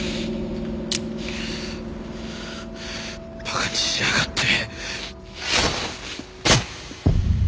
バカにしやがって。